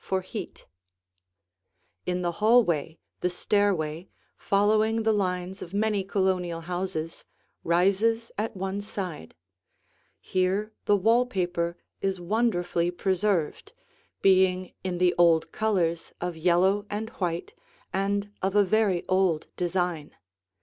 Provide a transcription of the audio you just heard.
[Illustration: The Hall and Stairway] In the hallway, the stairway, following the lines of many Colonial houses, rises at one side. Here the wall paper is wonderfully preserved, being in the old colors of yellow and white and of a very old design.